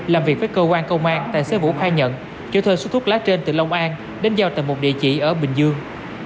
làm việc với cơ quan công an tài xế vũ khoai nhận chủ thuê xuất thuốc lá trên từ long an đến giao tầm một địa chỉ ở bình dương